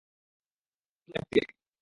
শুধু এফ কে।